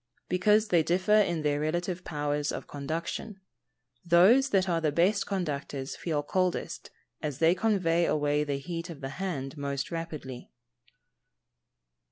_ Because they differ in their relative powers of conduction. Those that are the best conductors feel coldest, as they convey away the heat of the hand most rapidly.